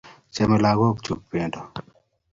Chame lagok chuk pendo